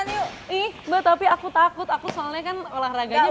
ya akan rage